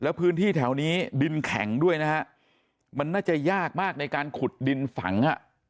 แล้วพื้นที่แถวนี้ดินแข็งด้วยนะฮะมันน่าจะยากมากในการขุดดินฝัง